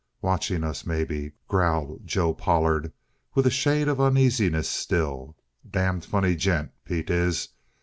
"Watching us, maybe," growled Joe Pollard, with a shade of uneasiness still. "Damned funny gent, Pete is.